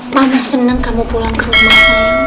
mama senang kamu pulang ke rumah